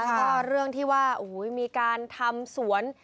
แล้วก็เรื่องที่ว่ามีการทำสวน